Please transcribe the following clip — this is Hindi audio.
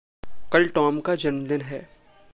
कल टॉम का जन्मदिन है।